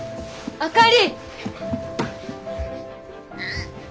あかり！